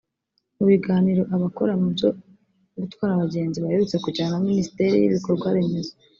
Mu biganiro abakora mu byo gutwara abagenzi baherutse kugirana na Minisiteri y’Ibikorwaremezo